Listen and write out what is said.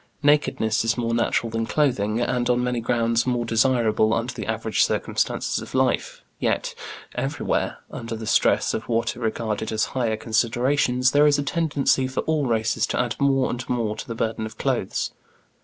Nakedness is more natural than clothing, and on many grounds more desirable under the average circumstances of life, yet, everywhere, under the stress of what are regarded as higher considerations, there is a tendency for all races to add more and more to the burden of clothes.